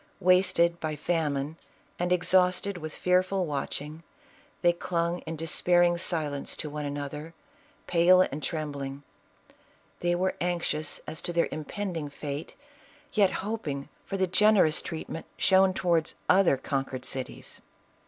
Wasted by famine and exhausted with fearful watching, they clung in despairing silence to one another, pale and trembling ; they were anxious as to their impending fate, yet hoping for the generous 5* 106 ISABELLA OF CASTILE. treatment shown towards other conquered cities.